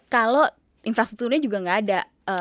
kalau infrastrukturnya juga nggak ada